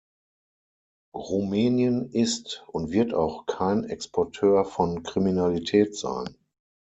Rumänien ist und wird auch kein Exporteur von Kriminalität sein.